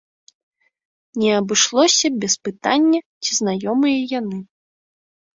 Не абышлося без пытання, ці знаёмыя яны.